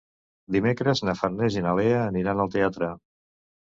Dimecres na Farners i na Lea aniran al teatre.